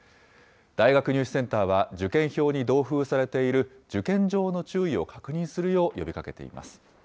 大学入試センターは、受験票に同封されている受験上の注意を確認するよう呼びかけています。